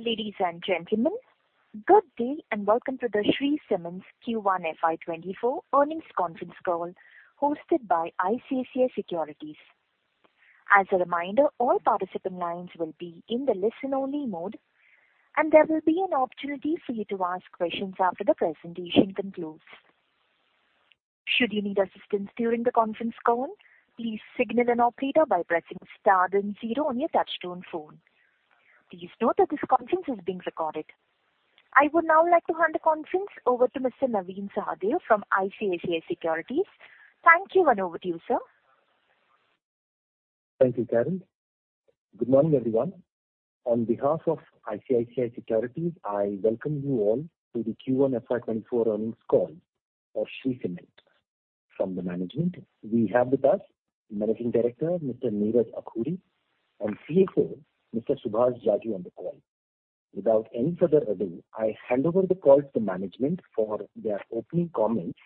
Ladies and gentlemen, good day, and welcome to the Shree Cement's Q1 FY 2024 earnings conference call, hosted by ICICI Securities. As a reminder, all participant lines will be in the listen-only mode, and there will be an opportunity for you to ask questions after the presentation concludes. Should you need assistance during the conference call, please signal an operator by pressing star then zero on your touchtone phone. Please note that this conference is being recorded. I would now like to hand the conference over to Mr. Navin Sahadeo from ICICI Securities. Thank you, and over to you, sir. Thank you, Karen. Good morning, everyone. On behalf of ICICI Securities, I welcome you all to the Q1 FY 2024 earnings call of Shree Cement. From the management, we have with us Managing Director, Mr. Neeraj Akhoury, and CFO, Mr. Subhash Jajoo, on the call. Without any further ado, I hand over the call to management for their opening comments,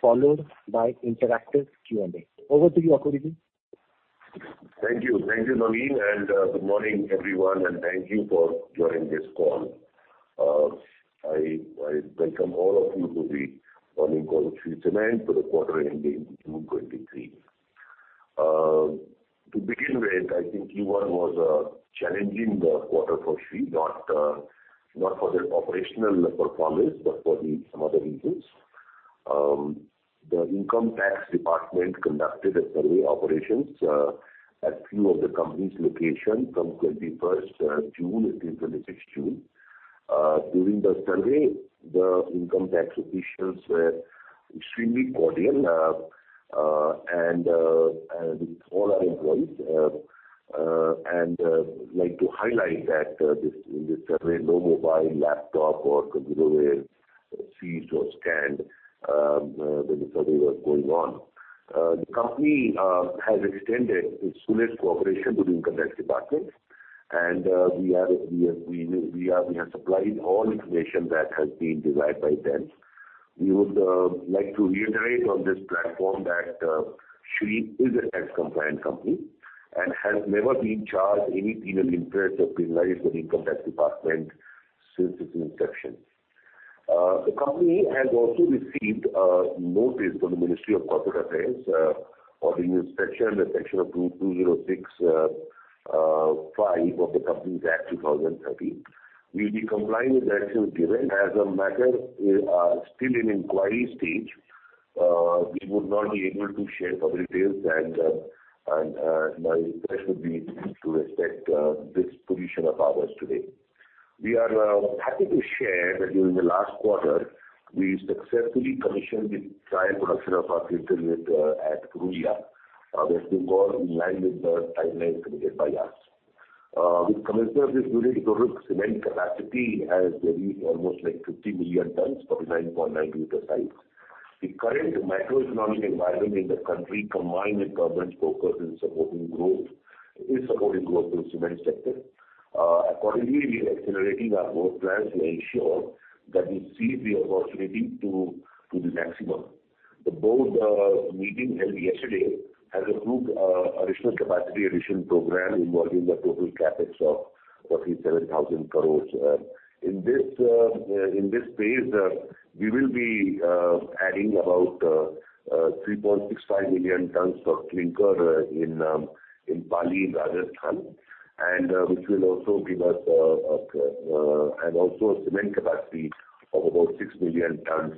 followed by interactive Q&A. Over to you, Akhouri ji. Thank you. Thank you, Navin. Good morning, everyone, and thank you for joining this call. I welcome all of you to the earnings call of Shree for the quarter ending June 2023. To begin with, I think Q1 was a challenging quarter for Shree, not for the operational performance, but for the some other reasons. The income tax department conducted a survey operations at few of the company's location from 21st June until 26th June. During the survey, the income tax officials were extremely cordial and with all our employees. Like to highlight that this, in this survey, no mobile, laptop or computer were seized or scanned when the survey was going on. Extended its fullest cooperation to the Income Tax Department, and we are, we have supplied all information that has been desired by them. We would like to reiterate on this platform that Shree is a tax compliant company and has never been charged any penal interest or penalized by the Income Tax Department since its inception. The company has also received a notice from the Ministry of Corporate Affairs for the inspection under Section 206(5) of the Companies Act, 2013. We will be complying with the actions given. As the matter is still in inquiry stage, we would not be able to share further details, and my request would be to respect this position of ours today. We are happy to share that during the last quarter, we successfully commissioned the trial production of our clinker unit at Purulia, that's been more in line with the timeline committed by us. With commission of this unit, total cement capacity has reached almost like 50 million tons for 9.9 million sites. The current macroeconomic environment in the country, combined with government's focus in supporting growth, is supporting growth in cement sector. Accordingly, we are accelerating our work plans to ensure that we seize the opportunity to the maximum. The board meeting held yesterday has approved additional capacity addition program involving the total CapEx of roughly 7,000 crores. In this phase, we will be adding about 3.65 million tons of clinker in Pali, Rajasthan, and which will also give us and also a cement capacity of about 6 million tons,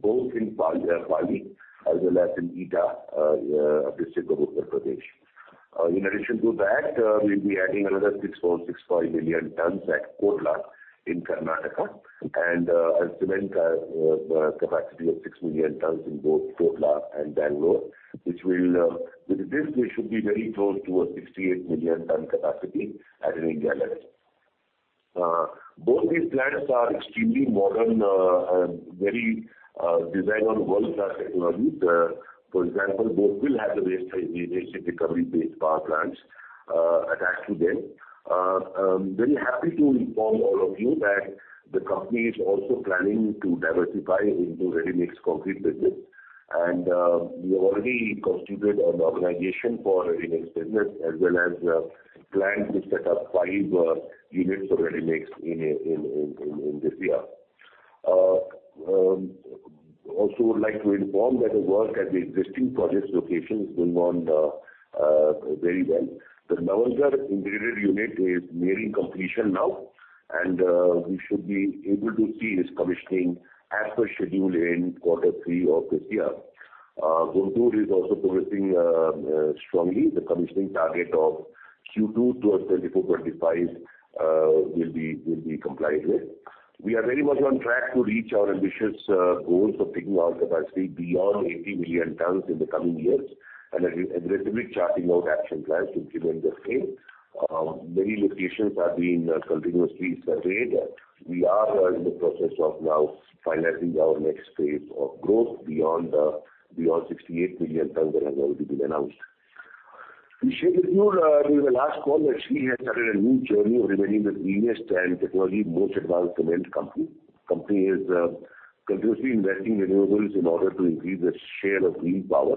both in Pali, as well as in Etah district of Uttar Pradesh. In addition to that, we'll be adding another 6.65 million tons at Kodla in Karnataka, and a cement capacity of 6 million tons in both Kodla and Bangalore. With this, we should be very close to a 68 million ton capacity at an India level. Both these plants are extremely modern and very designed on world-class technologies. For example, both will have a waste heat recovery-based power plants attached to them. I'm very happy to inform all of you that the company is also planning to diversify into Ready Mix Concrete business. We already constituted an organization for Ready Mix business, as well as plan to set up five units of Ready Mix in this year. Also would like to inform that the work at the existing project locations is going on very well. The Nawalgarh integrated unit is nearing completion now. We should be able to see this commissioning as per schedule in quarter three of this year. Guntur is also progressing strongly. The commissioning target of Q2 towards 2024-2025 will be complied with. We are very much on track to reach our ambitious goals of taking our capacity beyond 80 million tons in the coming years, and aggressively charting out action plans to achieve the same. Many locations are being continuously surveyed. We are in the process of now finalizing our next phase of growth beyond 68 million tons that has already been announced. We shared with you in the last call that Shree has started a new journey of remaining the greenest and technology most advanced cement company. Company is continuously investing in renewables in order to increase its share of green power.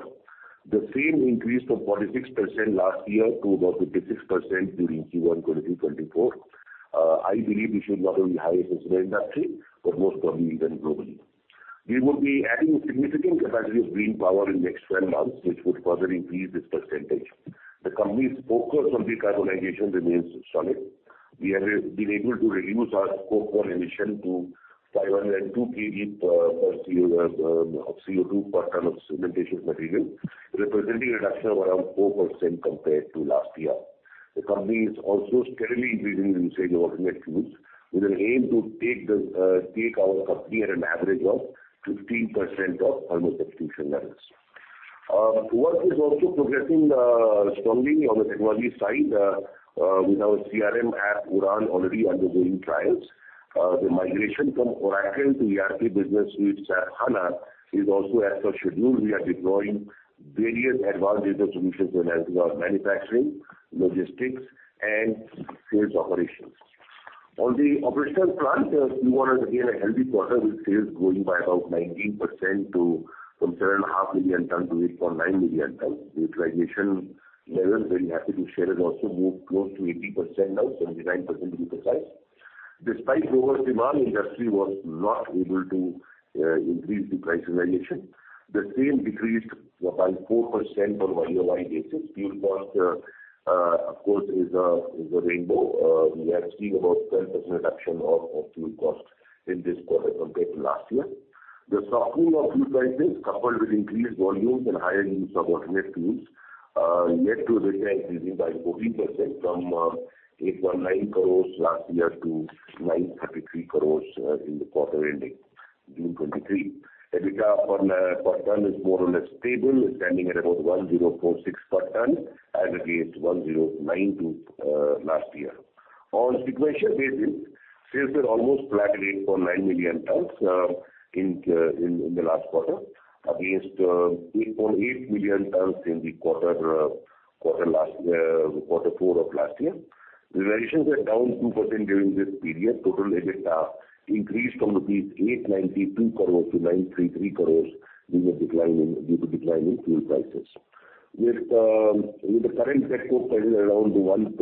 The same increased from 46% last year to about 56% during Q1 2024. I believe this is not only highest in the industry, but most probably even globally. We will be adding significant capacity of green power in the next 12 months, which would further increase this percentage. The company's focus on decarbonization remains solid. We have been able to reduce our Scope 1 emission to 502 kg per CO of CO2 per ton of cementation material, representing a reduction of around 4% compared to last year. The company is also steadily increasing the usage of alternative fuels, with an aim to take our company at an average of 15% of alternative fuel levels. Work is also progressing strongly on the technology side with our CRM app, Udaan, already undergoing trials. The migration from Oracle to ERP Business Suite SAP HANA is also as per schedule. We are deploying various advanced data solutions in our manufacturing, logistics, and sales operations. On the operational front, Q1 is again a healthy quarter, with sales growing by about 19% from 7.5 million tons-8.9 million tons. Utilization levels, very happy to share, has also moved close to 80% now, 79% to be precise. Despite lower demand, industry was not able to increase the price realization. The same decreased by 4% on a year-over-year basis. Fuel cost, of course, is a rainbow. We are seeing about 10% reduction of fuel costs in this quarter compared to last year. The softening of fuel prices, coupled with increased volumes and higher use of alternative fuels, led to EBITDA increasing by 14% from 892 crores last year to 933 crores in the quarter ending June 2023. EBITDA per ton is more or less stable, standing at about 1,046 per ton, as against 1,092 last year. On sequential basis, sales were almost flat at 8.9 million tons in the last quarter, against 8.8 million tons in the quarter last year, quarter four of last year. Realizations were down 2% during this period. Total EBITDA increased from 892 crores-933 crores, due to decline in fuel prices. With the current petcoke price around 1.80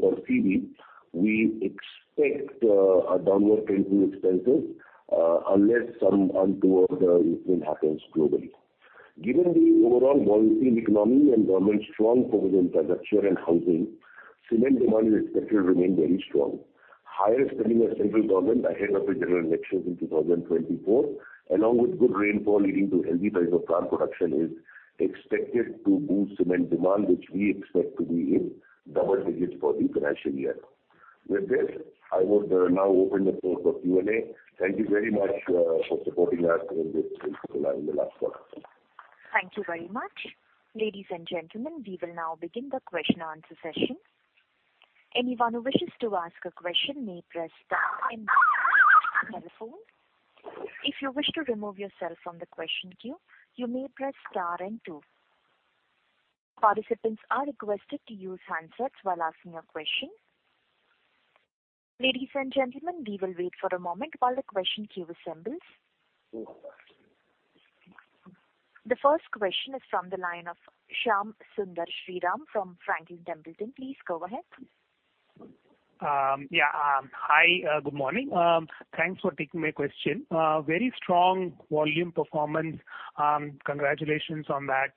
per TV, we expect a downward trend in expenses, unless some untoward event happens globally. Given the overall positive economic environment, strong focus on infrastructure and housing, cement demand is expected to remain very strong. Higher spending of central government ahead of the general elections in 2024, along with good rainfall leading to healthy rice of plant production, is expected to boost cement demand, which we expect to be in double digits for the financial year. With this, I would now open the floor for Q&A. Thank you very much for supporting us in this in the last quarter. Thank you very much. Ladies and gentlemen, we will now begin the question and answer session. Anyone who wishes to ask a question may press star and two on their telephone. If you wish to remove yourself from the question queue, you may press star and two. Participants are requested to use handsets while asking a question. Ladies and gentlemen, we will wait for a moment while the question queue assembles. The first question is from the line of Shyam Sundar Sriram from Franklin Templeton. Please go ahead. Yeah, hi, good morning. Thanks for taking my question. Very strong volume performance. Congratulations on that,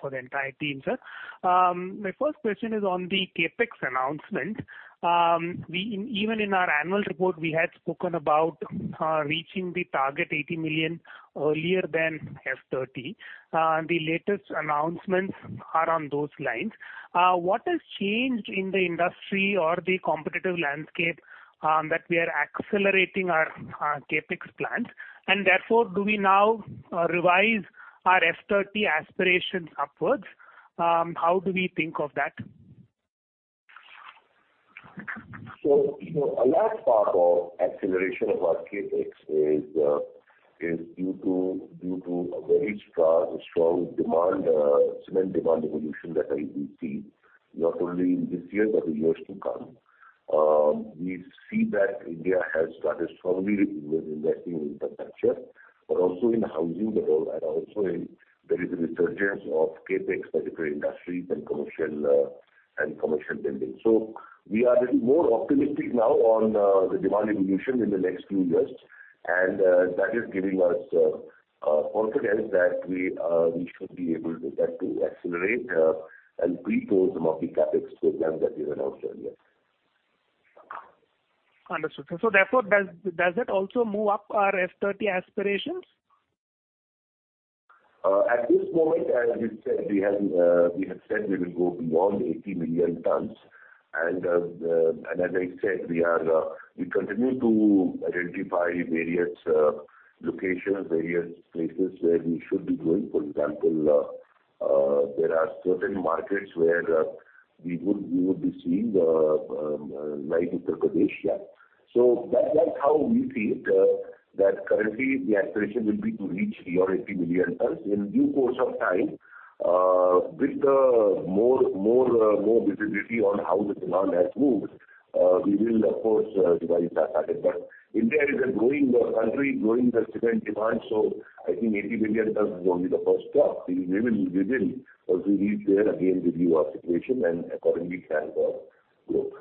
for the entire team, sir. My first question is on the CapEx announcement. We, even in our annual report, we had spoken about reaching the target 80 million earlier than F30. The latest announcements are on those lines. What has changed in the industry or the competitive landscape that we are accelerating our CapEx plans? Therefore, do we now revise our F30 aspirations upwards? How do we think of that? You know, a large part of acceleration of our CapEx is due to a very strong demand, cement demand evolution that I do see, not only in this year, but in years to come. We see that India has started strongly with investing in infrastructure, but also in housing development, and also in there is a resurgence of CapEx for different industries and commercial and commercial buildings. We are a little more optimistic now on the demand evolution in the next few years, and that is giving us confidence that we should be able to accelerate and pre-close some of the CapEx programs that we've announced earlier. Understood, sir. Therefore, does that also move up our F30 aspirations? At this point, as we said, we have said we will go beyond 80 million tons. As I said, we continue to identify various locations, various places where we should be going. For example, there are certain markets where we would be seeing like Uttar Pradesh. That's how we feel that currently the aspiration will be to reach your 80 million tons. In due course of time. With the more visibility on how the demand has moved, we will of course revise that target. India is a growing country, growing the cement demand, so I think 80 million tons is only the first stop. We will, as we reach there, again, review our situation and accordingly plan our growth.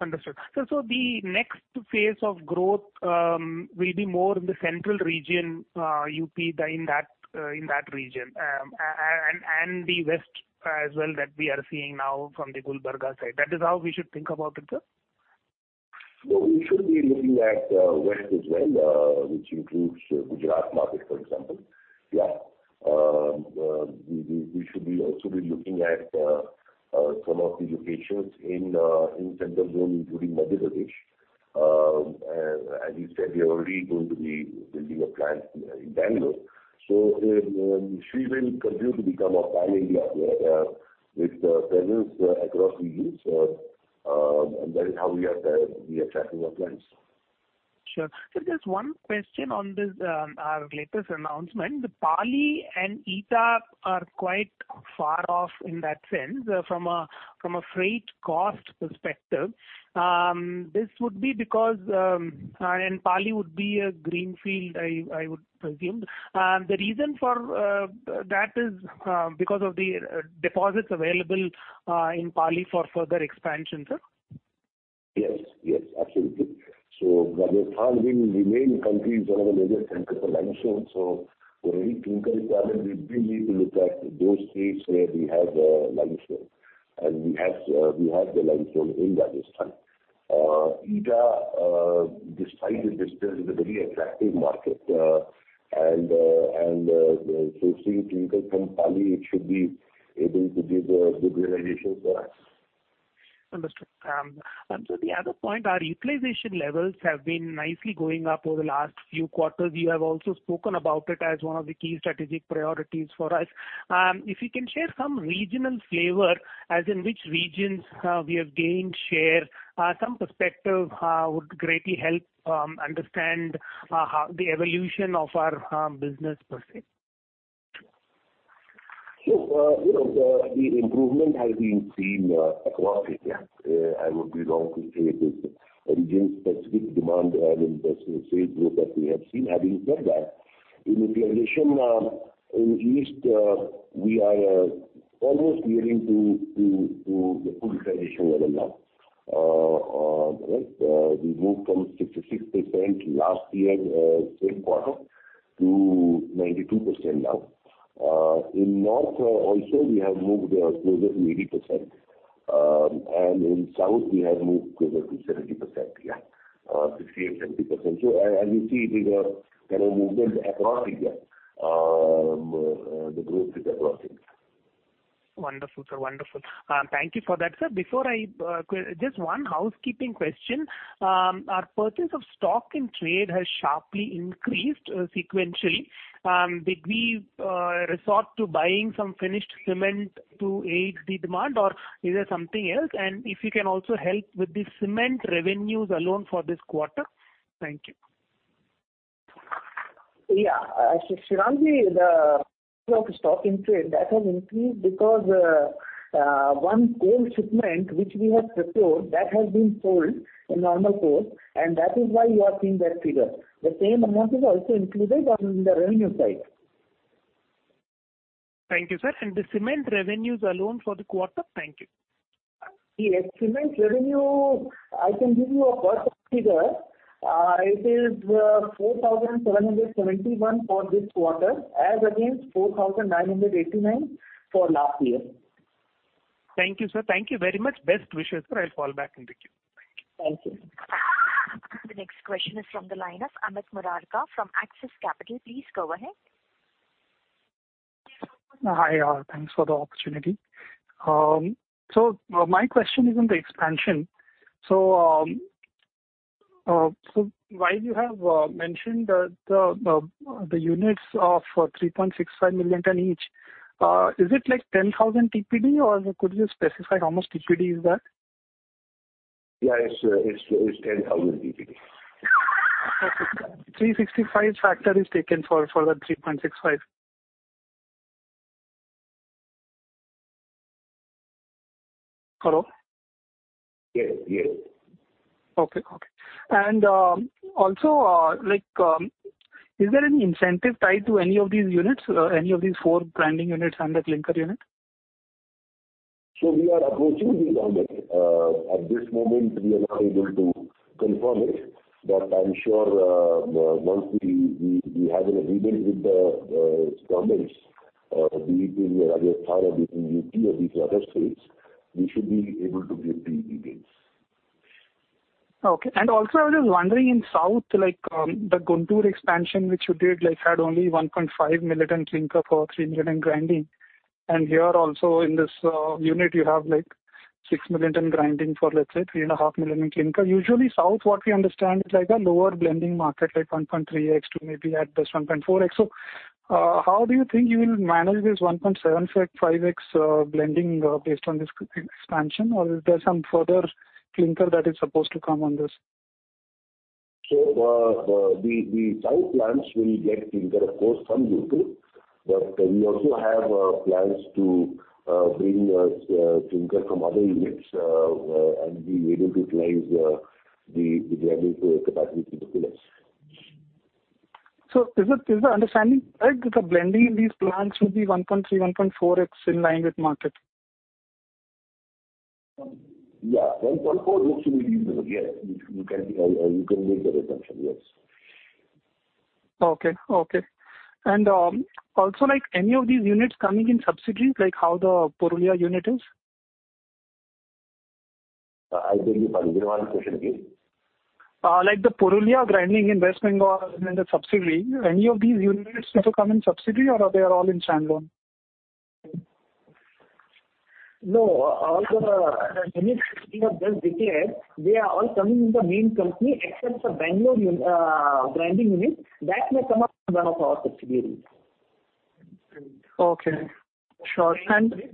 Understood. Sir, the next phase of growth will be more in the central region, UP, the, in that, in that region, and the west as well, that we are seeing now from the Gulbarga side. That is how we should think about it, sir? Well, we should be looking at west as well, which includes Gujarat market, for example. Yeah. We should be also be looking at some of the locations in central zone, including Madhya Pradesh. As you said, we are already going to be building a plant in Bangalore. We will continue to become a pan-India, with presence across regions. That is how we are tracking our plans. Sure. Sir, just one question on this, our latest announcement. The Pali and Etah are quite far off in that sense, from a freight cost perspective. This would be because, Pali would be a greenfield, I would presume. The reason for that is because of the deposits available, in Pali for further expansion, sir? Yes, yes, absolutely. Rajasthan will remain country's one of the major center for limestone. For any clinker requirement, we will need to look at those states where we have limestone. We have, we have the limestone in Rajasthan. Etah, despite the distance, is a very attractive market, and so seeing clinker from Pali, it should be able to give good realization for us. Understood. The other point, our utilization levels have been nicely going up over the last few quarters. You have also spoken about it as one of the key strategic priorities for us. If you can share some regional flavor, as in which regions we have gained share, some perspective would greatly help understand how the evolution of our business per se? You know, the improvement has been seen across India. I would be wrong to say it is a region-specific demand and investment sales growth that we have seen. Having said that, in the region, in east, we are almost nearing to the full utilization level now. Right, we moved from 66% last year, same quarter, to 92% now. In north, also we have moved closer to 80%. And in south, we have moved closer to 70%. Yeah, 68%, 70%. As you see, we are kind of moving across India. The growth is across India. Wonderful, sir. Wonderful. Thank you for that, sir. Before I, just one housekeeping question. Our purchase of stock and trade has sharply increased, sequentially. Did we resort to buying some finished cement to aid the demand, or is there something else? If you can also help with the cement revenues alone for this quarter. Thank you. Sriram, the stock in trade, that has increased because, one coal shipment, which we have proposed, that has been sold in normal course, and that is why you are seeing that figure. The same amount is also included on the revenue side. Thank you, sir. The cement revenues alone for the quarter? Thank you. Yes. Cement revenue, I can give you a rough figure. it is 4,771 for this quarter, as against 4,989 for last year. Thank you, sir. Thank you very much. Best wishes, sir. I'll fall back into queue. Thank you. Thank you. The next question is from the line of Amit Murarka from Axis Capital. Please go ahead. Hi, thanks for the opportunity. My question is on the expansion. While you have mentioned that the units of 3.65 million ton each, is it like 10,000 TPD, or could you specify how much TPD is that? Yeah, it's 10,000 TPD. Okay. 365 factor is taken for the 3.65. Hello? Yes. Yes. Okay, okay. Also, like, is there any incentive tied to any of these units, any of these four grinding units and the clinker unit? We are approaching the limit. At this moment, we are not able to confirm it, but I'm sure, once we have an agreement with the governments, be it in Rajasthan or be it in UP or be it in other states, we should be able to give the details. Okay. Also, I was just wondering, in south, the Guntur expansion, which you did, had only 1.5 million tons clinker for 3 million in grinding. Here also in this unit, you have 6 million tons grinding for, let's say, 3.5 million in clinker. Usually, south, what we understand, is like a lower blending market, like 1.3x to maybe at best 1.4x. How do you think you will manage this 1.75x blending, based on this expansion? Or is there some further clinker that is supposed to come on this? The site plants will get clinker, of course, from Gulbarga, but we also have plans to bring clinker from other units and be able to utilize the grinding capacity to the fullest. Is the understanding right, that the blending in these plants will be 1.3x, 1.4x in line with market? Yeah, 1.4 looks to be reasonable. Yes, you can, you can make that assumption. Yes. Okay, okay. Also, like, any of these units coming in subsidies, like how the Purulia unit is? I beg your pardon. One question, please. Like the Purulia grinding in West Bengal in the subsidy, any of these units also come in subsidy or are they all in standalone? No, all the units we have just declared, they are all coming in the main company except the Bangalore unit, grinding unit. That may come up one of our subsidiaries. Okay, sure. Grinding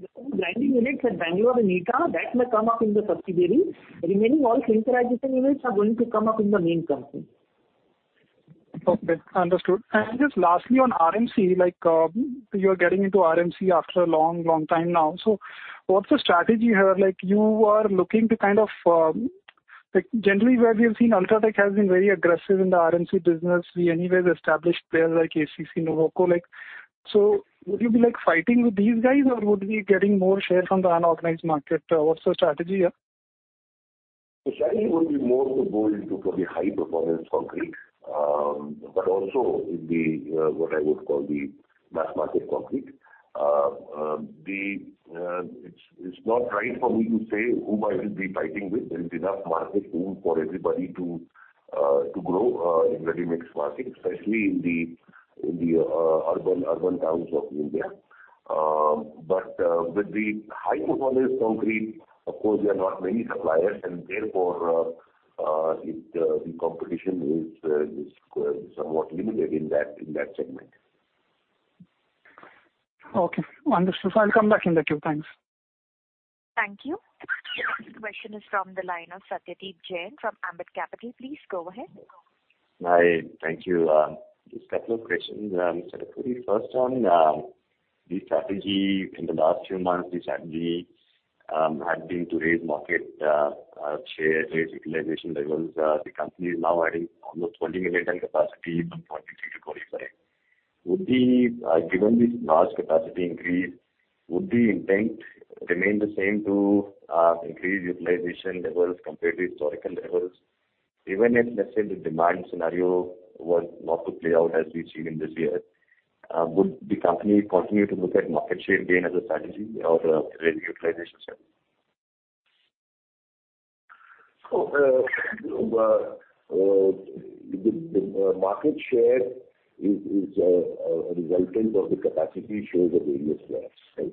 units at Bangalore and Etah, that may come up in the subsidiary. Remaining all clinkerization units are going to come up in the main company. Okay, understood. Just lastly, on RMC, like, you're getting into RMC after a long, long time now. What's the strategy here? Like, you are looking to kind of... Generally, where we have seen UltraTech has been very aggressive in the RMC business. We anyways established players like ACC Nuvoco. Would you be, like, fighting with these guys, or would we be getting more share from the unorganized market? What's the strategy here? Be more to go into for the high performance concrete, but also in what I would call the mass market concrete. It is not right for me to say whom I will be fighting with. There is enough market room for everybody to grow in the Ready Mix Concrete market, especially in the urban towns of India. But with the high performance concrete, of course, there are not many suppliers, and therefore, the competition is somewhat limited in that segment. Okay, understood. I'll come back in the queue. Thanks. Thank you. The next question is from the line of Satyadeep Jain from Ambit Capital. Please go ahead. Hi. Thank you. Just a couple of questions, Mr. Akhoury. First one, the strategy in the last few months, the strategy had been to raise market share, raise utilization levels. The company is now adding almost 20 million ton capacity from 43-45. Given this large capacity increase, would the intent remain the same to increase utilization levels compared to historical levels? Even if, let's say, the demand scenario was not to play out as we've seen in this year, would the company continue to look at market share gain as a strategy or, raise utilization strategy? The market share is a resultant of the capacity shares of various players, right?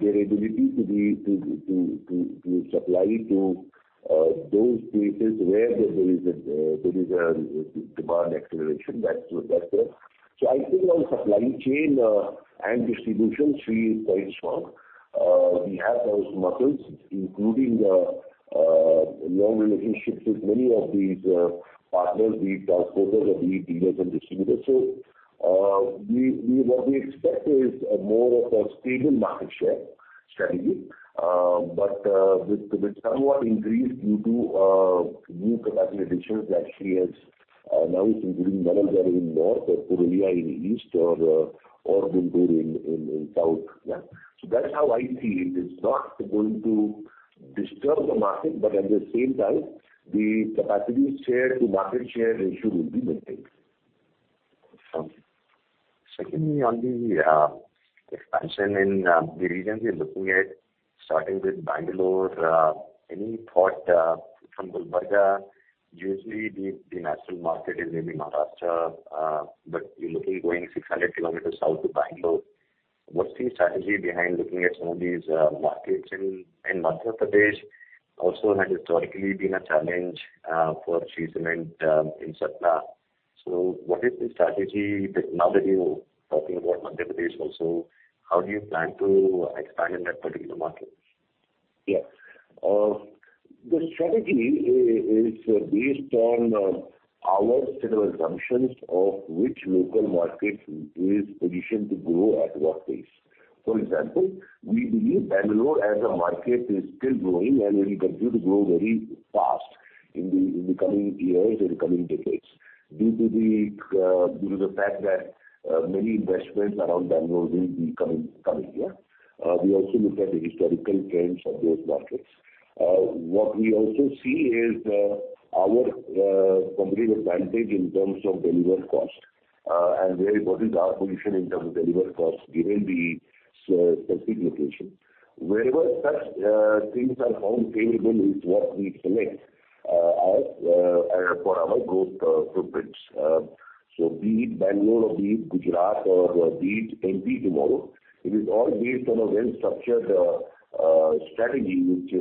Their ability to supply to those places where there is a demand acceleration. I think our supply chain and distribution fee is quite strong. We have those muscles, including long relationships with many of these partners, the transporters or the dealers and distributors. What we expect is a more of a stable market share strategy, but with somewhat increased due to new capacity additions that Shree has now including Nawalgarh in north or Purulia in east or Gulbarga in south. That is how I see it. It's not going to disturb the market, but at the same time, the capacity share to market share ratio will be maintained. Secondly, on the expansion in the regions you're looking at, starting with Bangalore, any thought from Gulbarga? Usually, the national market is maybe Maharashtra, but you're looking going 600 km south to Bangalore. What's the strategy behind looking at some of these markets in Madhya Pradesh also has historically been a challenge for cement in Satna? What is the strategy that now that you're talking about Madhya Pradesh also, how do you plan to expand in that particular market? Yes. The strategy is based on our set of assumptions of which local market is positioned to grow at what pace. For example, we believe Bangalore as a market is still growing and will continue to grow very fast in the coming years, in the coming decades, due to the fact that many investments around Bangalore will be coming. Yeah. We also looked at the historical trends of those markets. What we also see is our competitive advantage in terms of delivery cost, and very important, our position in terms of delivery cost, given the specific location. Wherever such things are found favorable is what we select for our growth footprints. Be it Bangalore or be it Gujarat or be it MP tomorrow, it is all based on a well-structured strategy which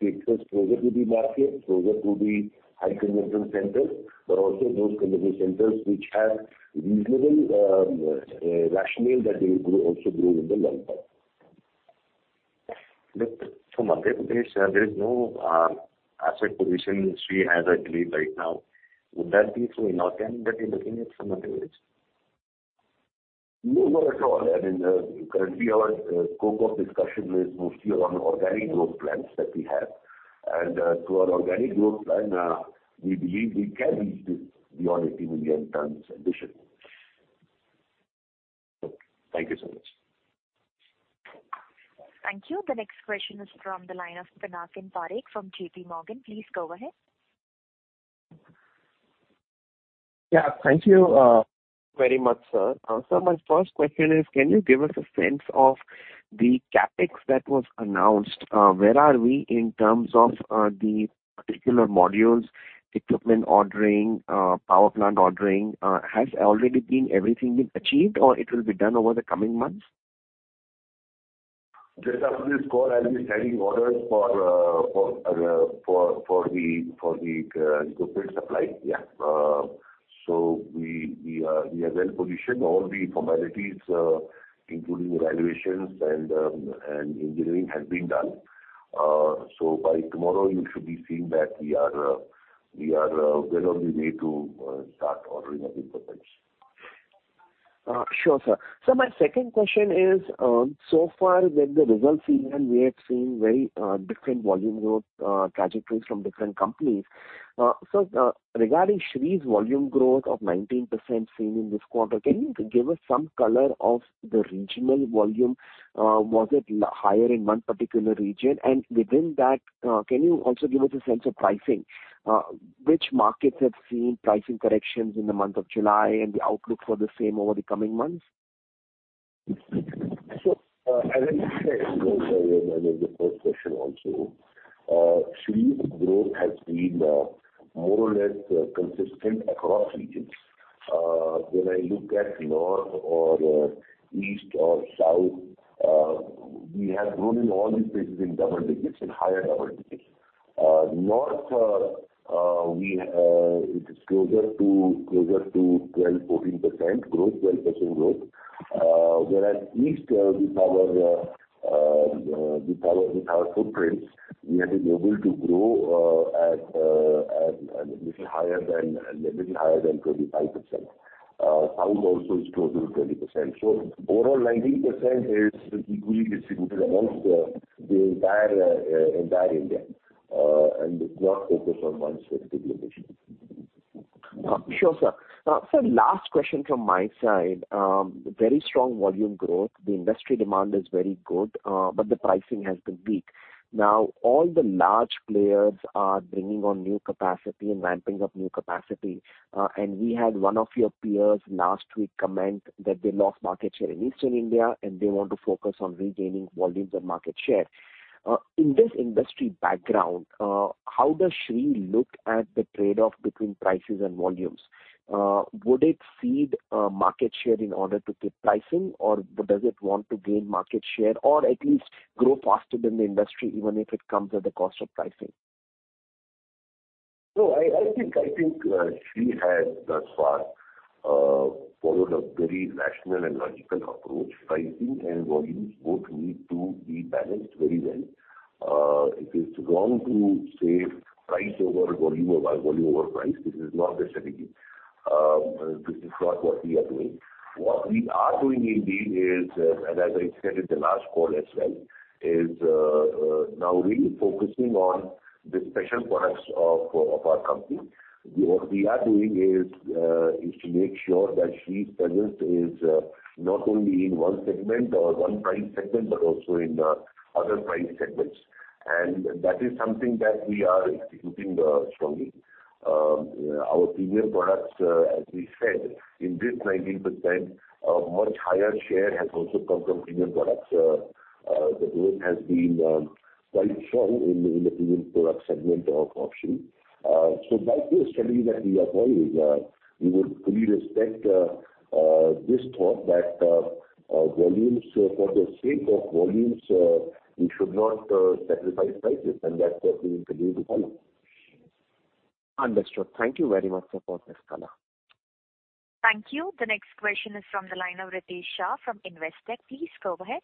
takes us closer to the market, closer to the high commercial centers, but also those commercial centers which have reasonable rationale that they will grow, also grow in the long term. From Madhya Pradesh, there is no asset position which we have agreed right now. Would that be so inorg that you're looking at from Madhya Pradesh? No, not at all. I mean, currently our scope of discussion is mostly on organic growth plans that we have. To our organic growth plan, we believe we can reach this beyond 80 million tons additionally. Okay. Thank you so much. Thank you. The next question is from the line of Pinakin Parekh from JPMorgan. Please go ahead. Thank you, very much, sir. My first question is, can you give us a sense of the CapEx that was announced? Where are we in terms of, the particular modules, equipment ordering, power plant ordering? Has already been everything been achieved, or it will be done over the coming months? Just after this call, I'll be signing orders for the equipment supply. Yeah. We are well positioned. All the formalities, including evaluations and engineering, have been done. By tomorrow, you should be seeing that we are well on the way to start ordering of equipment. Sure, sir. My second question is, so far with the results season, we have seen very different volume growth trajectories from different companies. Regarding Shree's volume growth of 19% seen in this quarter, can you give us some color of the regional volume? Was it higher in one particular region? And within that, can you also give us a sense of pricing? Which markets have seen pricing corrections in the month of July and the outlook for the same over the coming months? As I said, in the first question also, Shree's growth has been more or less consistent across regions. When I look at north or east or south, we have grown in all these places in double digits, in higher double digits. North, we, it is closer to 12%-14% growth, 12% growth. Whereas east, with our footprints, we have been able to grow at a little higher than 25%. South also is close to 20%. Overall, 19% is equally distributed amongst the entire India, and it's not focused on one specific location. Sure, sir. Sir, last question from my side. Very strong volume growth. The industry demand is very good, but the pricing has been weak. Now, all the large players are bringing on new capacity and ramping up new capacity. We had one of your peers last week comment that they lost market share in Eastern India, and they want to focus on regaining volumes and market share. In this industry background, how does Shree look at the trade-off between prices and volumes? Would it cede market share in order to keep pricing, or does it want to gain market share or at least grow faster than the industry, even if it comes at the cost of pricing? I think Shree has thus far followed a very rational and logical approach. Pricing and volumes both need to be balanced very well. It is wrong to say price over volume or volume over price. This is not the strategy. This is not what we are doing. What we are doing indeed is, and as I said in the last call as well, is now really focusing on the special products of our company. What we are doing is to make sure that Shree's presence is not only in one segment or one price segment, but also in other price segments. That is something that we are executing strongly. Our premium products, as we said, in this 19%, a much higher share has also come from premium products. The growth has been quite strong in the premium product segment of options. That is the strategy that we are following. We would fully respect this thought that volumes for the sake of volumes, we should not sacrifice prices, and that's what we continue to follow. Understood. Thank you very much, sir, for this call. Thank you. The next question is from the line of Ritesh Shah from Investec. Please go ahead.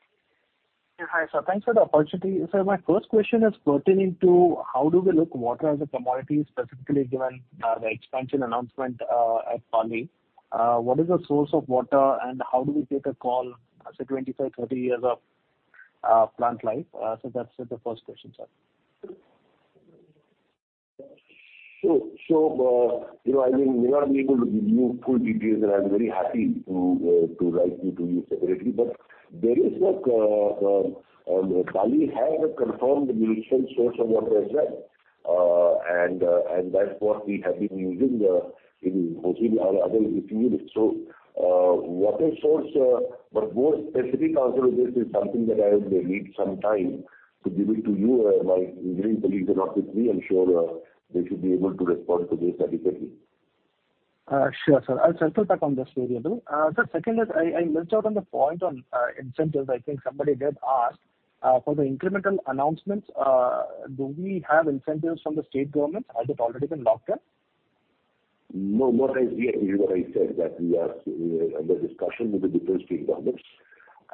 Hi, sir. Thanks for the opportunity. Sir, my first question is pertaining to how do we look water as a commodity, specifically given the expansion announcement at Pali? What is the source of water, and how do we take a call, say, 25, 30 years of plant life? That's the first question, sir. You know, I mean, we may not be able to give you full details, and I'm very happy to write to you separately. There is no Pali have a confirmed municipal source of water as well. That's what we have been using in most of our other units. Water source, but more specific answer to this is something that I will need some time to give it to you. My engineering colleagues are not with me. I'm sure, they should be able to respond to this adequately. Sure, sir. I'll circle back on this later, though. Sir, second is I missed out on the point on incentives. I think somebody did ask. For the incremental announcements, do we have incentives from the state governments? Has it already been locked in? No, not as yet. You know, I said that we are under discussion with the different state governments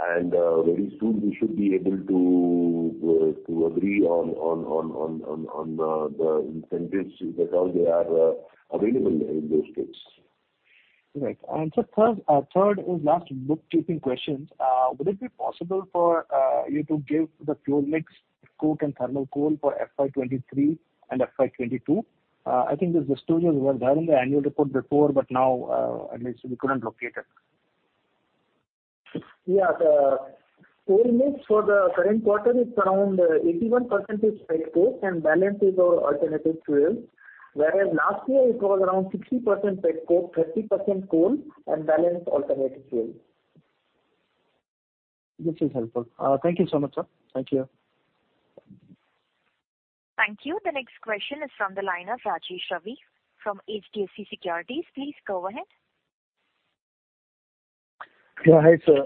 and very soon we should be able to agree on the incentives that all they are available in those states. Right. Third and last bookkeeping questions. Would it be possible for you to give the fuel mix, coke, and thermal coal for FY 2023 and FY 2022? I think there's the studios were there in the annual report before, but now, at least we couldn't locate it. Yeah. The coal mix for the current quarter is around 81% is petcoke and balance is our alternative fuel. Whereas last year it was around 60% petcoke, 30% coal, and balance alternative fuel. This is helpful. Thank you so much, sir. Thank you. Thank you. The next question is from the line of Rajesh Ravi from HDFC Securities. Please go ahead. Yeah, hi, sir.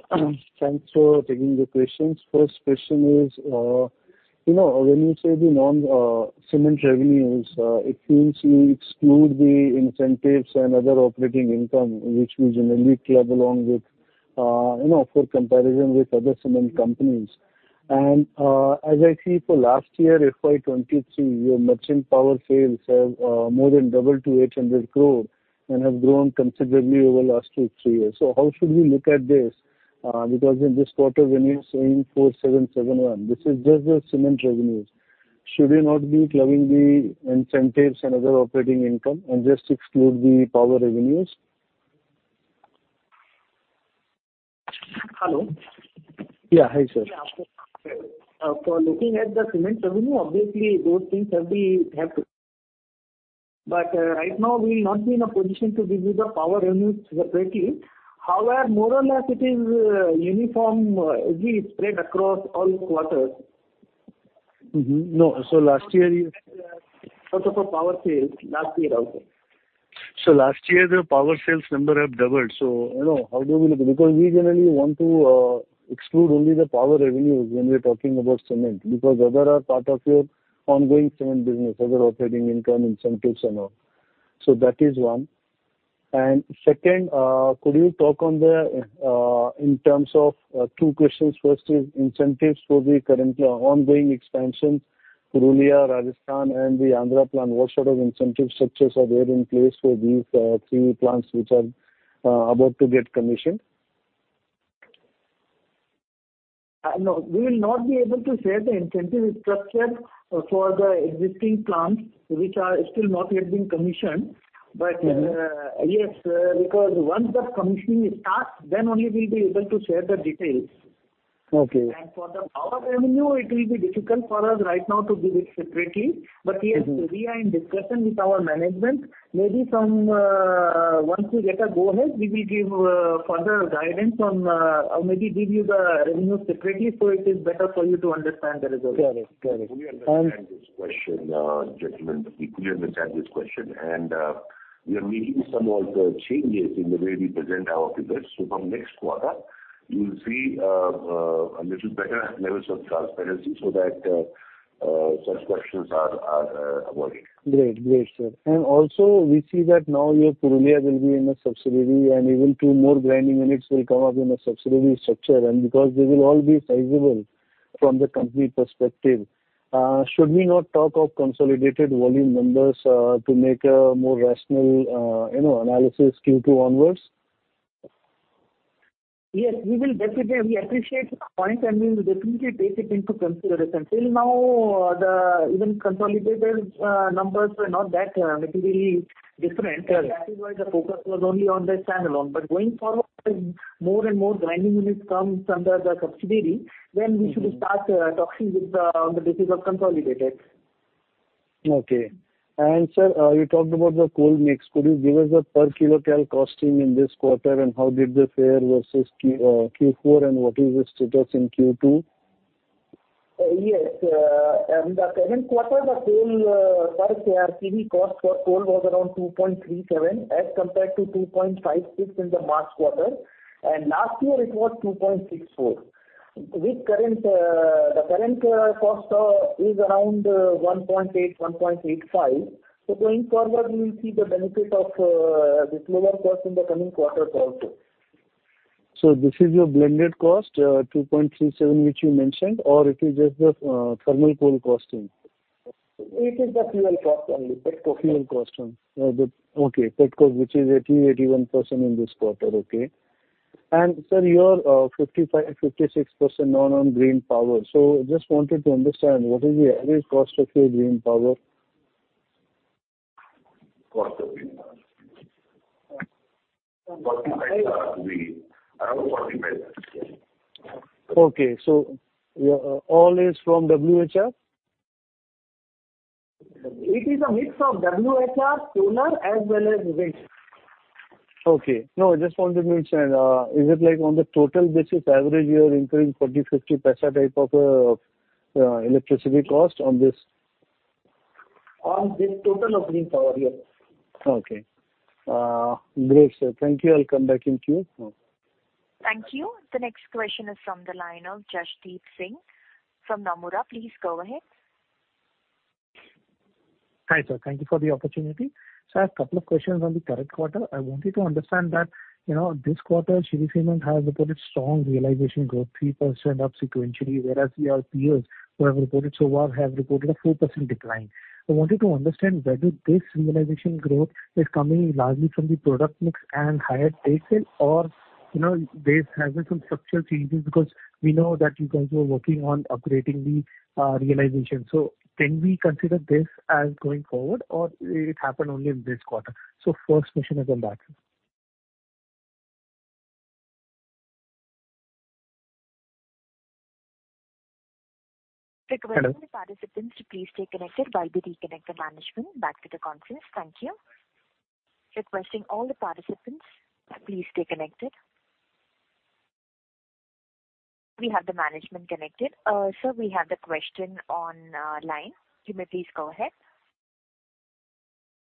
Thanks for taking the questions. First question is, you know, when you say the non-cement revenues, it means you exclude the incentives and other operating income, which we generally club along with, you know, for comparison with other cement companies. As I see for last year, FY 2022, your merchant power sales have more than doubled to 800 crore and have grown considerably over the last two, three years. How should we look at this? Because in this quarter, when you're saying 4,771, this is just the cement revenues. Should you not be clubbing the incentives and other operating income and just exclude the power revenues? Hello. Yeah. Hi, sir. Yeah, for looking at the cement revenue, obviously, those things have to be helped. Right now, we'll not be in a position to give you the power revenue separately. However, more or less, it is uniform, spread across all quarters. Mm-hmm. No. last year. Also for power sales, last year also. Last year, the power sales number have doubled. You know, how do we look? Because we generally want to exclude only the power revenues when we are talking about cement, because other are part of your ongoing cement business, other operating income, incentives and all. That is one. Second, could you talk on the in terms of two questions. First is incentives for the current ongoing expansion, Purulia, Rajasthan, and the Andhra plant. What sort of incentive structures are there in place for these three plants, which are about to get commissioned? We will not be able to share the incentive structure for the existing plants, which are still not yet been commissioned. Mm-hmm. Yes, because once the commissioning is start, then only we'll be able to share the details. Okay. For the power revenue, it will be difficult for us right now to give it separately. Mm-hmm. Yes, we are in discussion with our management. Maybe from, once we get a go-ahead, we will give further guidance on, or maybe give you the revenue separately, so it is better for you to understand the result. Got it. Got it. We understand this question, gentlemen, we clearly understand this question, we are making some of the changes in the way we present our figures. From next quarter, you'll see a little better levels of transparency so that such questions are avoided. Great. Great, sir. Also we see that now your Purulia will be in a subsidiary, even two more grinding units will come up in a subsidiary structure, because they will all be sizable from the company perspective, should we not talk of consolidated volume numbers, to make a more rational, you know, analysis Q2 onwards? Yes, we will definitely. We appreciate the point, and we will definitely take it into consideration. Till now, the even consolidated numbers were not that materially different. Yes. That is why the focus was only on the standalone. Going forward, more and more grinding units comes under the subsidiary, then we should start talking with on the basis of consolidated. Okay. Sir, you talked about the coal mix. Could you give us the per kcal costing in this quarter, and how did they fare versus Q4, and what is the status in Q2? Yes. In the current quarter, the coal per kcal cost for coal was around 2.37, as compared to 2.56 in the March quarter, and last year it was 2.64. With current, the current cost is around 1.8, 1.85. Going forward, we will see the benefit of this lower cost in the coming quarters also. This is your blended cost, 2.37, which you mentioned, or it is just the thermal coal costing? It is the fuel cost only, petcoke. Fuel cost. Okay, petcoke, which is 80%-81% in this quarter. Okay. Sir, you are 55%-56% on green power. Just wanted to understand, what is the average cost of your green power? Cost of green power. INR 45, around INR 45. Okay. yeah, all is from WHR? It is a mix of WHR, solar, as well as wind. Okay. No, I just wanted to mention, is it like on the total basis average, you are including 0.40, 0.50 type of electricity cost on this? On the total of green power, yes. Okay. Great, sir. Thank you. I'll come back in queue. Thank you. The next question is from the line of Jasdeep Singh from Nomura. Please go ahead. Hi, sir. Thank you for the opportunity. I have a couple of questions on the current quarter. I wanted to understand that, you know, this quarter, Shree Cement has reported strong realization growth, 3% up sequentially, whereas your peers who have reported so well, have reported a 4% decline. I wanted to understand whether this realization growth is coming largely from the product mix and higher trade sales, or, you know, there has been some structural changes, because we know that you guys are working on upgrading the realization. Can we consider this as going forward, or it happened only in this quarter? First question is on that. Requesting the participants to please stay connected while we reconnect the management back to the conference. Thank you. Requesting all the participants, please stay connected. We have the management connected. Sir, we have the question on line. You may please go ahead.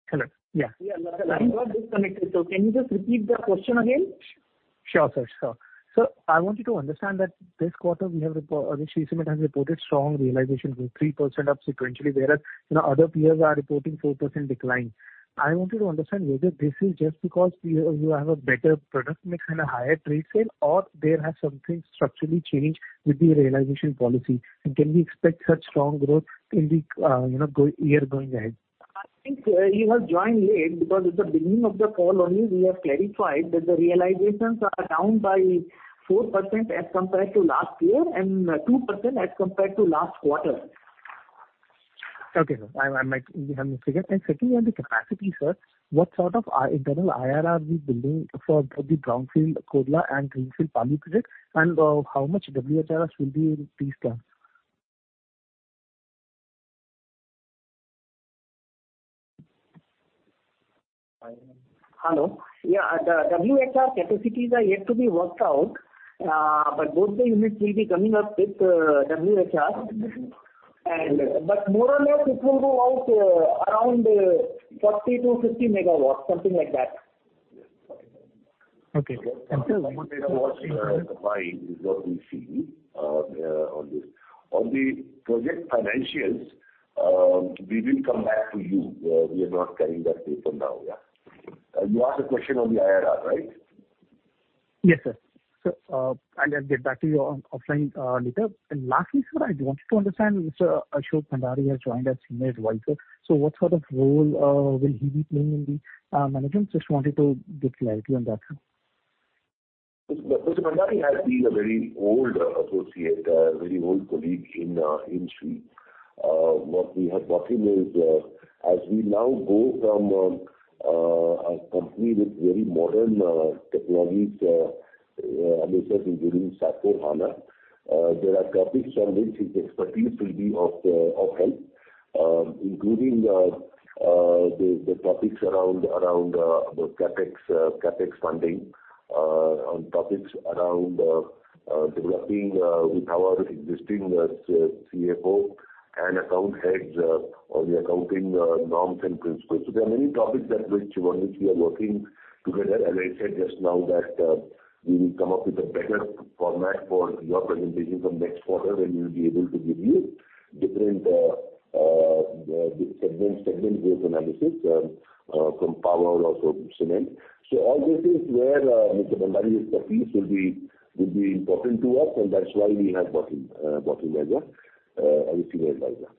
Hello. Yeah. Yeah, I was disconnected. Can you just repeat the question again? Sure, sir. Sure. I want you to understand that this quarter, Shree Cement has reported strong realization, with 3% up sequentially, whereas, you know, other peers are reporting 4% decline. I wanted to understand whether this is just because you have a better product mix and a higher trade sale, or there has something structurally changed with the realization policy. Can we expect such strong growth in the, you know, year going ahead? I think, you have joined late, because at the beginning of the call only, we have clarified that the realizations are down by 4% as compared to last year and, 2% as compared to last quarter. Okay, sir. Secondly, on the capacity, sir, what sort of internal IRR are we building for the brownfield Kodla and greenfield Pali project, and how much WHRS will be in these plants? Hello. Yeah, the WHRS capacities are yet to be worked out, but both the units will be coming up with WHRS. More or less, it will go out around 40 MW-50 MW, something like that. Okay. 50 MW is what we see on this. On the project financials, we will come back to you. We are not carrying that paper now, yeah. You asked a question on the IRR, right? Yes, sir. I'll get back to you on offline later. Lastly, sir, I wanted to understand, Mr. Ashok Bhandari has joined as Senior Advisor. What sort of role will he be playing in the management? Just wanted to get clarity on that, sir. Mr. Bhandari has been a very old associate, a very old colleague in Shree. What we have got him is, as we now go from a company with very modern technologies, including SAP HANA, there are topics on which his expertise will be of help, including the topics around the CapEx funding, on topics around developing with our existing CFO and account heads, on the accounting norms and principles. There are many topics that which, on which we are working together. As I said just now that, we will come up with a better format for your presentation from next quarter, when we will be able to give you different, segment-based analysis, from power, also cement. All this is where Mr. Bhandari's expertise will be important to us, and that's why we have got him as a senior advisor.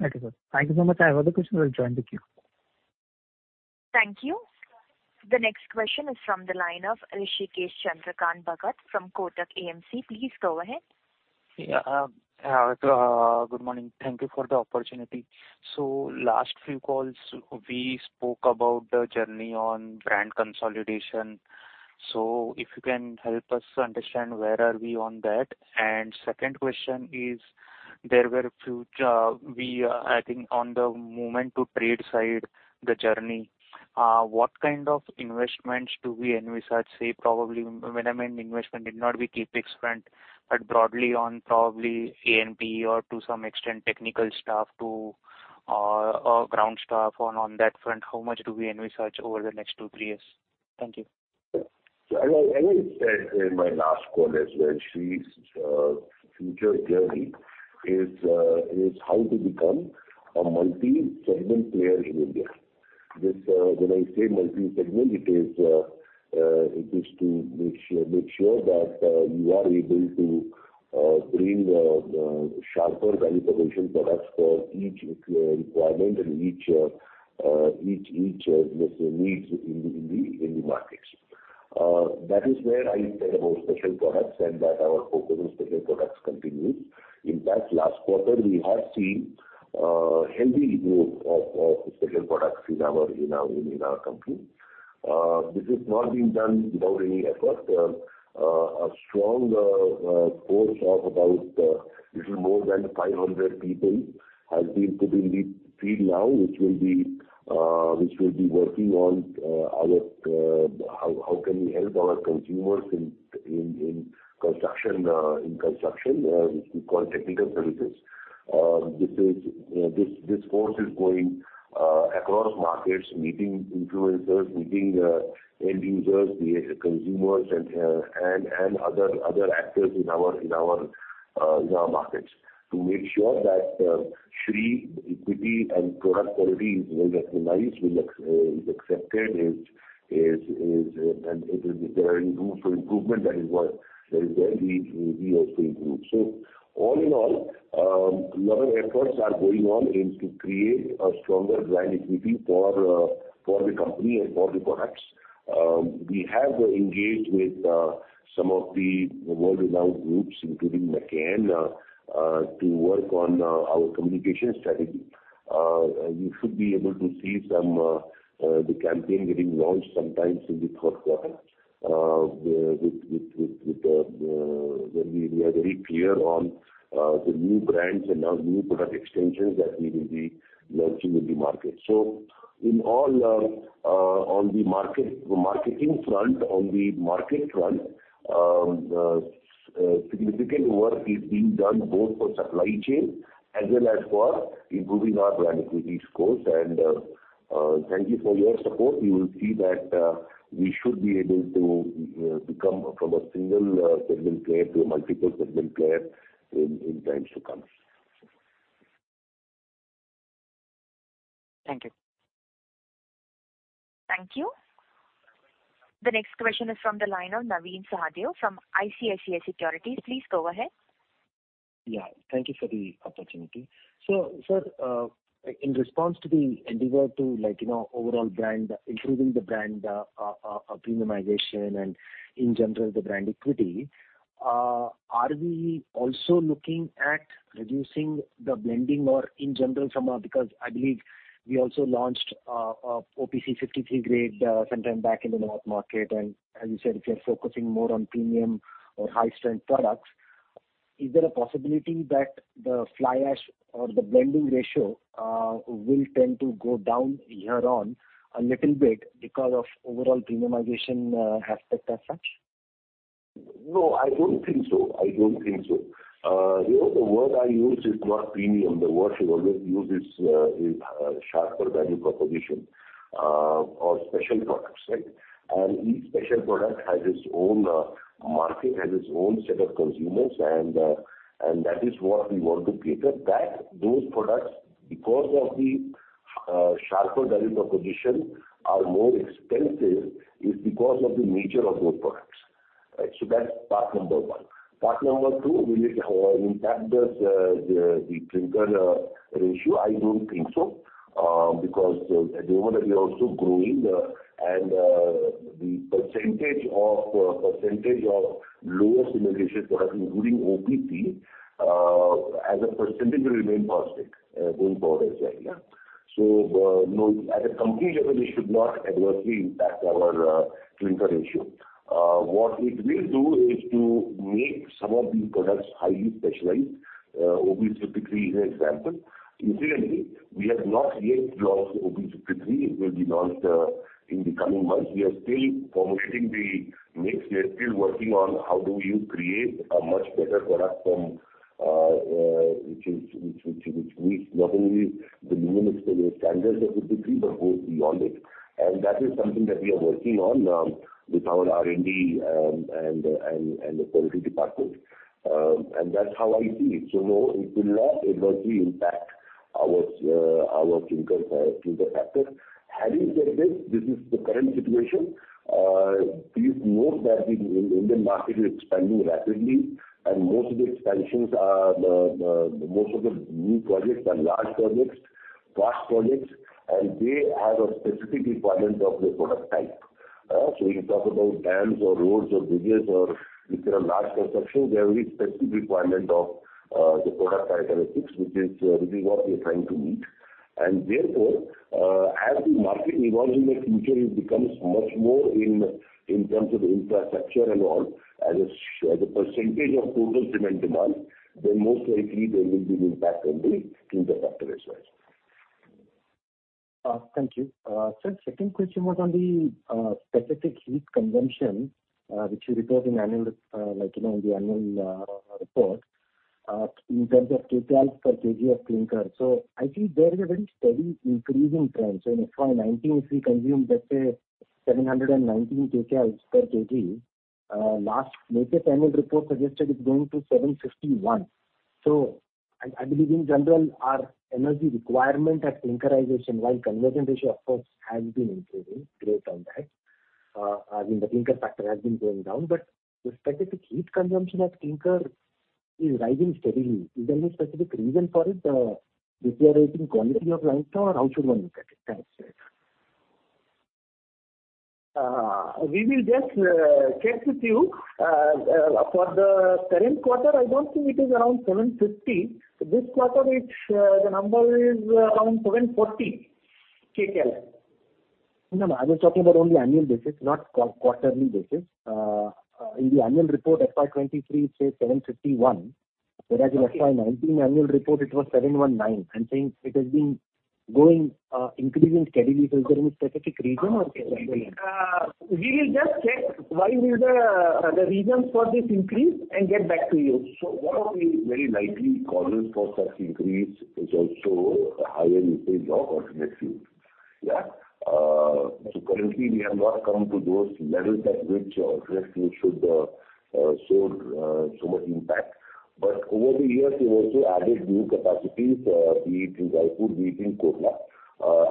Thank you, sir. Thank you so much. I have other questions. I'll join the queue. Thank you. The next question is from the line of Hrishikesh Chandrakant Bhagat from Kotak AMC. Please go ahead. Good morning. Thank you for the opportunity. Last few calls, we spoke about the journey on brand consolidation. If you can help us understand, where are we on that? Second question is, there were few, I think on the moment-to-trade side, the journey, what kind of investments do we envisage? Say, probably, when I mean investment, it not be CapEx spend, but broadly on probably A&P or to some extent, technical staff to, or ground staff on that front, how much do we envisage over the next two, three years? Thank you. As I said in my last call as well, Shree's future journey is how to become a multi-segment player in India. When I say multi-segment, it is to make sure that you are able to bring sharper value proposition products for each requirement and each needs in the markets. That is where I said about special products. Our focus on special products continues. In fact, last quarter, we have seen healthy growth of special products in our company. This is not being done without any effort. A strong force of about little more than 500 people has been put in the field now, which will be working on our how can we help our consumers in construction, which we call technical services. This is this force is going across markets, meeting influencers, meeting end users, the consumers and other actors in our in our in our markets, to make sure that Shree equity and product quality is well recognized, is accepted, is, and if there is room for improvement, that is what there is, then we also improve. All in all, a lot of efforts are going on in to create a stronger brand equity for the company and for the products. We have engaged with some of the world-renowned groups, including McCann, to work on our communication strategy. You should be able to see some the campaign getting launched sometime in the first quarter with where we are very clear on the new brands and our new product extensions that we will be launching in the market. In all, on the marketing front, on the market front, significant work is being done both for supply chain as well as for improving our brand equity scores. Thank you for your support. You will see that, we should be able to, become from a single segment player to a multiple segment player in times to come. Thank you. Thank you. The next question is from the line of Navin Sahadeo from ICICI Securities. Please go ahead. Yeah, thank you for the opportunity. Sir, in response to the endeavor to, like, you know, overall brand, improving the brand, premiumization and in general, the brand equity, are we also looking at reducing the blending or in general, because I believe we also launched OPC 53 grade sometime back in the north market. As you said, if you're focusing more on premium or high-strength products, is there a possibility that the fly ash or the blending ratio will tend to go down here on a little bit because of overall premiumization aspect as such? No, I don't think so. I don't think so. You know, the word I use is not premium. The word we always use is sharper value proposition or special products, right? Each special product has its own market, has its own set of consumers, and that is what we want to cater. Those products, because of the sharper value proposition, are more expensive, is because of the nature of those products, right? That's part number one. Part number two, will it impact us, the clinker ratio? I don't think so, because the demand are also growing, and the percentage of percentage of lower cementation products, including OPC, as a percentage will remain positive going forward, et cetera. No, as a company in general, it should not adversely impact our clinker ratio. What it will do is to make some of these products highly specialized. OPC 53 is an example. Incidentally, we have not yet launched OPC 53. It will be launched in the coming months. We are still formulating the mix. We are still working on how do you create a much better product from which is, which we not only the minimum standard of OPC, but goes beyond it. That is something that we are working on with our R&D and the quality department. That's how I see it. No, it will not adversely impact our clinker factor. Having said this is the current situation. Please note that the Indian market is expanding rapidly, and most of the expansions are most of the new projects are large projects, fast projects, and they have a specific requirement of the product type. You talk about dams or roads or bridges or if you have large construction, there will be specific requirement of the product characteristics, which is what we are trying to meet. Therefore, as the market evolves in the future, it becomes much more in terms of infrastructure and all. As a percentage of total cement demand, then most likely there will be an impact on the clinker factor as well. Thank you. Sir, second question was on the specific heat consumption, which you disclose in annual, like, you know, in the annual report, in terms of kcal per kg of clinker. I think there is a very steady increasing trend. In FY 2019, if we consumed, let's say, 719 kcal per kg, last latest annual report suggested it's going to 751. I believe in general, our energy requirement at clinkerization, while conversion ratio, of course, has been increasing great on that, as in the clinker factor has been going down, but the specific heat consumption at clinker is rising steadily. Is there any specific reason for it, deteriorating quality of limestone, or how should one look at it? Thanks. We will just check with you. For the current quarter, I don't think it is around 750. This quarter, it's the number is around 740 kcal. No, no, I was talking about only annual basis, not quarterly basis. In the annual report, FY 2023, it says 751. Whereas in FY 2019 annual report, it was 719. I'm saying it has been going, increasing steadily. Is there any specific reason or? We will just check the reasons for this increase and get back to you. One of the very likely causes for such increase is also a higher usage of alternative fuels. Yeah. Currently, we have not come to those levels at which alternative fuels should show so much impact. Over the years, we've also added new capacities, be it in Jaipur, be it in Kodla,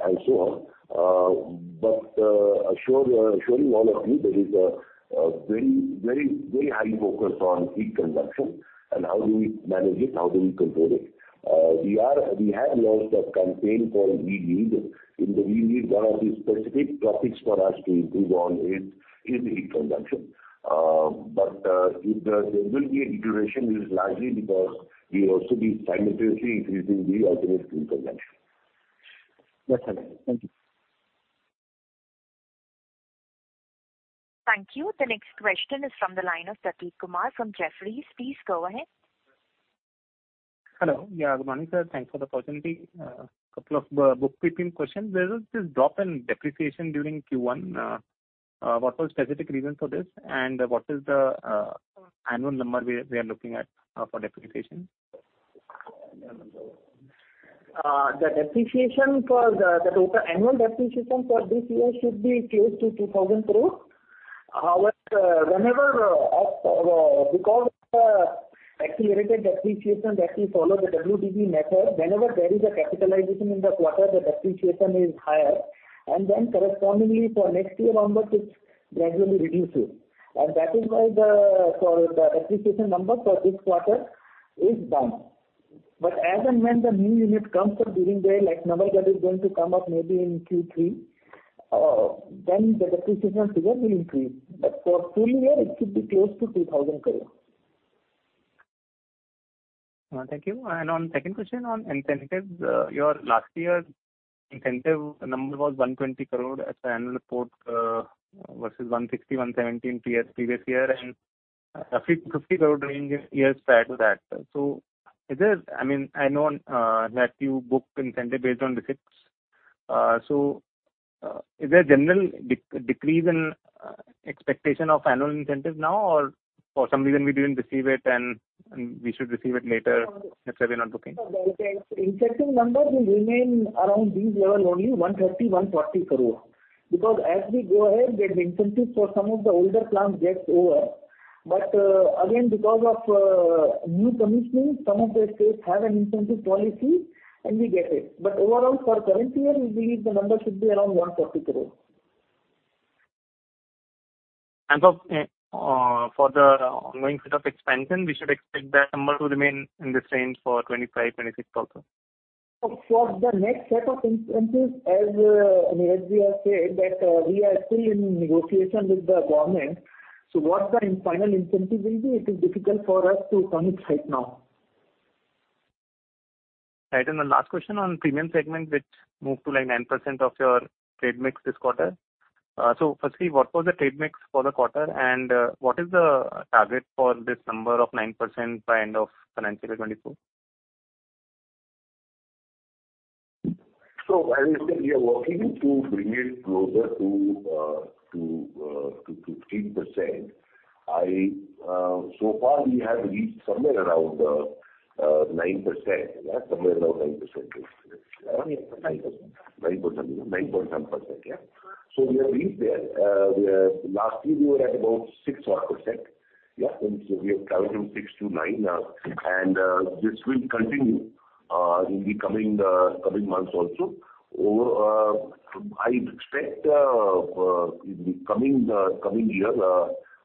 and so on. Assuring all of you, there is a very, very, very high focus on heat consumption, and how do we manage it, how do we control it. We have launched a campaign called WeLead. In the WeLead, one of the specific topics for us to improve on is heat consumption. If there will be a deterioration, it is largely because we also be simultaneously increasing the alternative fuel consumption. That's all. Thank you. Thank you. The next question is from the line of Prateek Kumar from Jefferies. Please go ahead. Hello. Yeah, good morning, sir. Thanks for the opportunity. Couple of bookkeeping questions. There is this drop in depreciation during Q1. What was specific reason for this, and what is the annual number we are looking at for depreciation? The depreciation for the total annual depreciation for this year should be close to 2,000 crore. However, whenever, because accelerated depreciation actually follow the WDB method, whenever there is a capitalization in the quarter, the depreciation is higher, and then correspondingly for next year onwards, it gradually reduces. That is why for the depreciation number for this quarter is down. As and when the new unit comes up during the year, like Niwai, that is going to come up maybe in Q3, then the depreciation figure will increase. For full year, it should be close to 2,000 crore. Thank you. On second question on incentives, your last year incentive number was 120 crore as annual report, versus 160 crore-170 crore previous year, and a INR 50 crore during years prior to that. I mean, I know that you book incentive based on the ships. Is there a general decrease in expectation of annual incentive now, or for some reason we didn't receive it and we should receive it later, that's why we're not booking? Incentive numbers will remain around this level, only INR 130 crore-INR 140 crore. As we go ahead, the incentive for some of the older plants gets over. Again, because of new commissioning, some of the states have an incentive policy, and we get it. Overall, for current year, we believe the number should be around 140 crore. For the ongoing set of expansion, we should expect that number to remain in the same for 2025, 2026 also? For the next set of incentives, as we have said, that we are still in negotiation with the government. What the final incentive will be, it is difficult for us to commit right now. Right. The last question on premium segment, which moved to, like, 9% of your trade mix this quarter. Firstly, what was the trade mix for the quarter, and what is the target for this number of 9% by end of financial 2024? As we said, we are working to bring it closer to 15%. I so far, we have reached somewhere around 9%, yeah, somewhere around 9%. Around 9%. 9%, 9% yeah. We have reached there. Last year we were at about six odd percent. Yeah, we have traveled from six to nine, and this will continue in the coming months also. I expect in the coming year,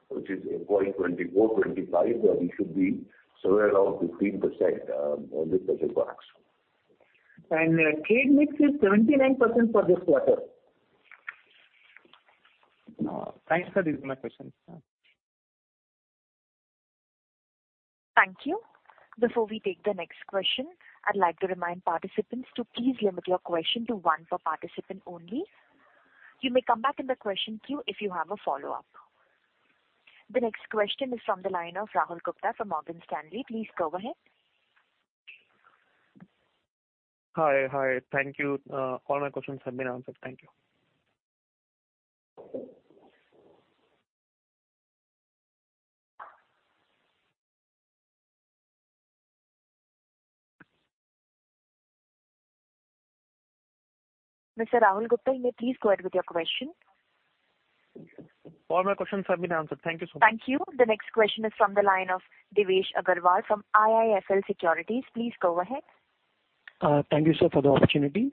which is FY 2024, 2025, we should be somewhere around 15% with special products. Trade mix is 79% for this quarter. Thanks, sir. These are my questions. Thank you. Before we take the next question, I'd like to remind participants to please limit your question to one per participant only. You may come back in the question queue if you have a follow-up. The next question is from the line of Rahul Gupta from Morgan Stanley. Please go ahead. Hi, hi. Thank you. All my questions have been answered. Thank you. Mr. Rahul Gupta, you may please go ahead with your question. All my questions have been answered. Thank you so much. Thank you. The next question is from the line of Devesh Agarwal from IIFL Securities. Please go ahead. Thank you, sir, for the opportunity.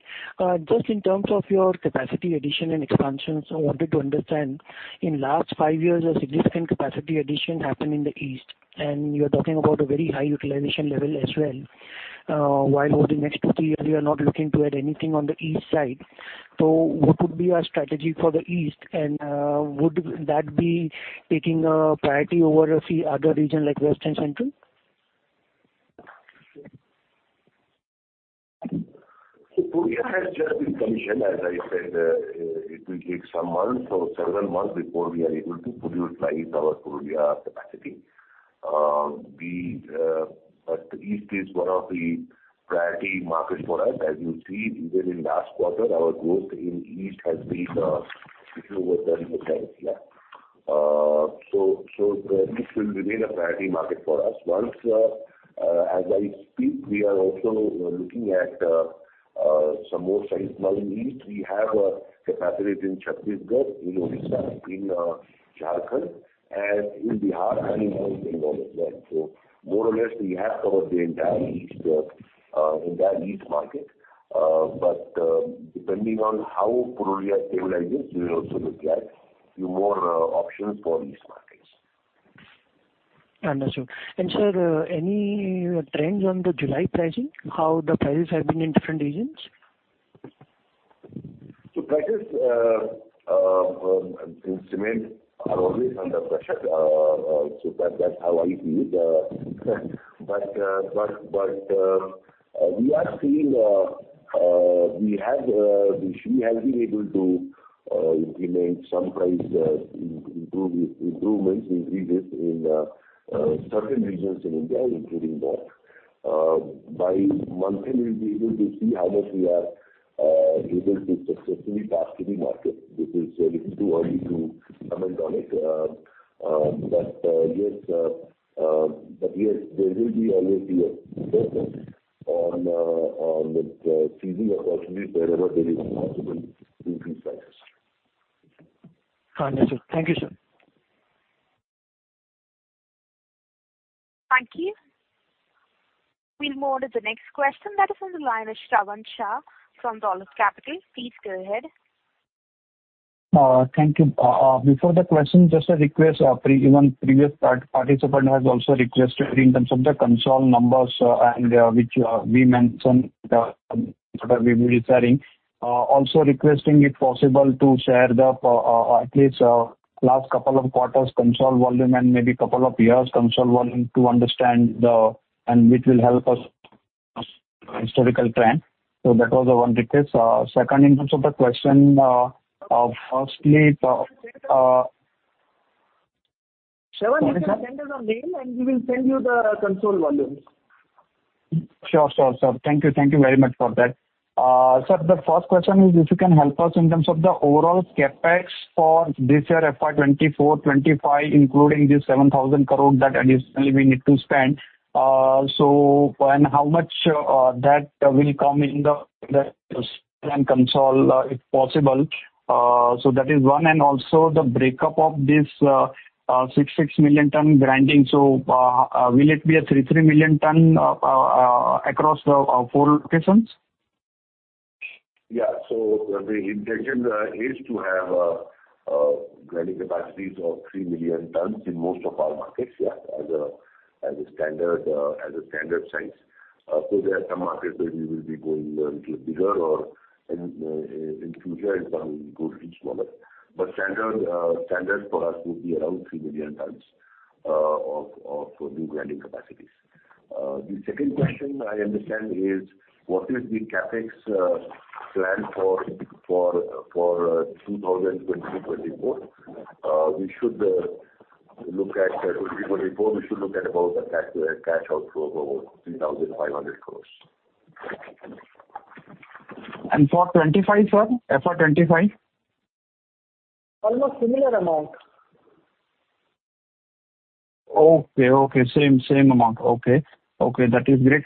Just in terms of your capacity addition and expansions, I wanted to understand, in last five years, a significant capacity addition happened in the east, and you're talking about a very high utilization level as well. While over the next two years, you are not looking to add anything on the east side. What would be our strategy for the east, and would that be taking priority over a few other regions like west and central? It has just been commissioned. As I said, it will take some months or several months before we are able to fully utilize our Purulia capacity. The East is one of the priority markets for us. As you see, even in last quarter, our growth in East has been over 10%. Yeah. The East will remain a priority market for us. Once, as I speak, we are also looking at some more sites in East. We have a capacity in Chhattisgarh, in Odisha, in Jharkhand, and in Bihar, I mean, all over there. More or less, we have covered the entire East, entire East market. Depending on how Purulia stabilizes, we will also look at few more options for East markets. Understood. Sir, any trends on the July pricing, how the prices have been in different regions? Prices in cement are always under pressure. That's how I feel. We are seeing, we have been able to implement some price improvements, increases in certain regions in India, including that. By monthly, we'll be able to see how much we are able to successfully pass to the market. This is a little too early to comment on it. Yes, there will always be a focus on the seizing opportunities wherever there is possible to increase prices. Understood. Thank you, sir. Thank you. We'll move on to the next question. That is on the line with Shravan Shah from Dolat Capital. Please go ahead. Thank you. Before the question, just a request, even previous participant has also requested in terms of the console numbers, and which we mentioned what are we referring. Also requesting, if possible, to share the at least last couple of quarters console volume and maybe couple of years console volume to understand the... Which will help us historical trend. That was the one request. Second, in terms of the question, firstly, Shravan, you can send us a mail, and we will send you the console volumes. Sure, sure. Thank you. Thank you very much for that. Sir, the first question is if you can help us in terms of the overall CapEx for this year, FY 2024, 2025, including the 7,000 crore that additionally we need to spend. How much that will come in the plan console, if possible? That is one. Also the break up of this 6 million ton grinding. Will it be a 3 million ton across the four locations? The intention is to have grinding capacities of 3 million tons in most of our markets, as a standard, as a standard size. There are some markets where we will be going a little bigger, or in future, it will go little smaller. Standard, standard for us would be around 3 million tons of new grinding capacities. The second question, I understand, is what is the CapEx plan for 2024? We should look at 2024, we should look at about a cash outflow of about 3,500 crore. For 2025, sir? FY 2025. Almost similar amount. Okay, okay. Same amount. Okay. Okay, that is great.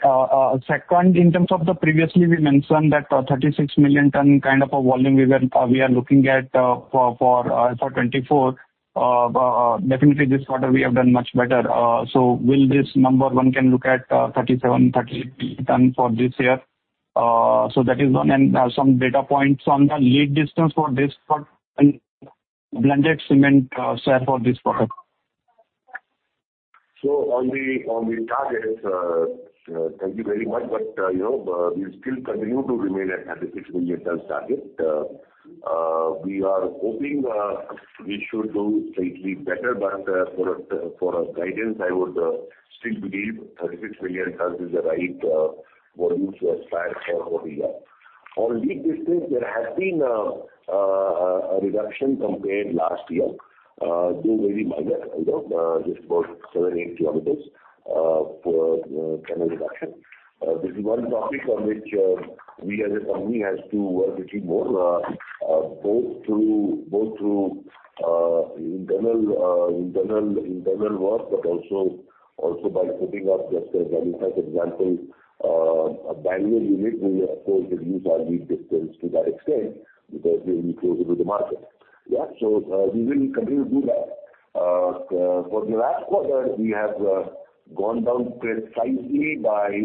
Second, in terms of the previously we mentioned that 36 million ton kind of a volume we were looking at for FY 2024. Definitely this quarter we have done much better. Will this number one can look at 37, 38 ton for this year? That is one. Some data points on the lead distance for this product and blended cement share for this product. On the targets, thank you very much. You know, we still continue to remain at 36 million ton target. We are hoping we should do slightly better. For a guidance, I would still believe 36 million tons is the right volume to aspire for whole year. On lead distance, there has been a reduction compared last year, though very minor, you know, just about 7, 8 km for channel reduction. This is one topic on which we as a company has to work little more, both through internal work, but also by putting up just as example, a Bangalore unit will, of course, reduce our lead distance to that extent, because we will be closer to the market. We will continue to do that. For the last quarter, we have gone down precisely by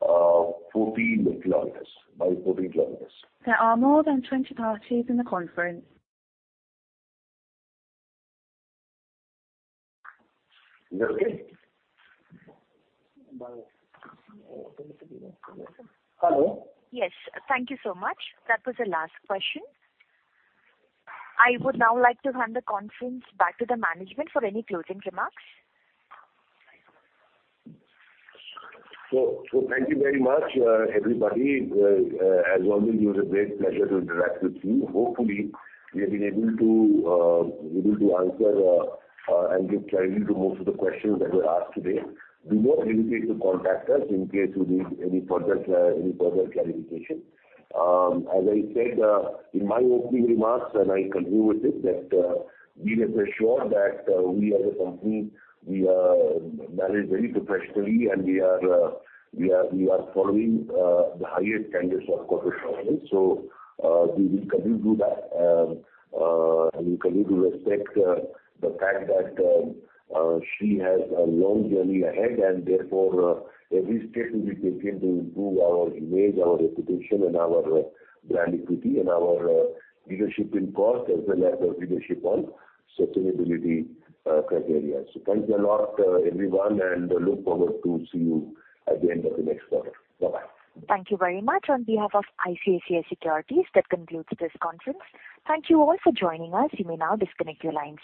14 km. There are more than 20 parties in the conference. Is that okay? Hello? Yes. Thank you so much. That was the last question. I would now like to hand the conference back to the management for any closing remarks. Thank you very much, everybody. As always, it was a great pleasure to interact with you. Hopefully, we have been able to answer and give clarity to most of the questions that were asked today. Do not hesitate to contact us in case you need any further clarification. As I said in my opening remarks, and I conclude with this, that we rest assured that we as a company, we are managed very professionally, and we are following the highest standards of corporate governance. We will continue to do that. We continue to respect the fact that Shree has a long journey ahead, and therefore, every step will be taken to improve our image, our reputation, and our brand equity, and our leadership in cost, as well as our leadership on sustainability criteria. Thank you a lot, everyone, and I look forward to see you at the end of the next quarter. Bye-bye. Thank you very much. On behalf of ICICI Securities, that concludes this conference. Thank you all for joining us. You may now disconnect your lines.